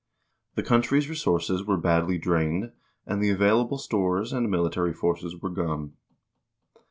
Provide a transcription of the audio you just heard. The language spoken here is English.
The country's resources were badly drained, and the available stores and military forces were gone.